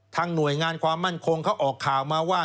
หน่วยงานความมั่นคงเขาออกข่าวมาว่า